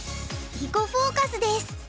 「囲碁フォーカス」です。